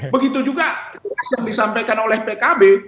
begitu juga jelas yang disampaikan oleh pkb